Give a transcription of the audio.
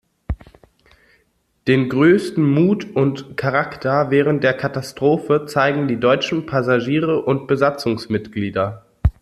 Den größten Mut und Charakter während der Katastrophe zeigen die deutschen Passagiere und Besatzungsmitglieder.